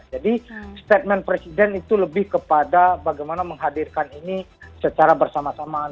statement presiden itu lebih kepada bagaimana menghadirkan ini secara bersama sama